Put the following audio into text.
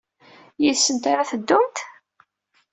Yid-sent ara ad teddumt?